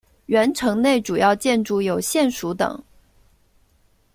原城内主要建筑有县署等。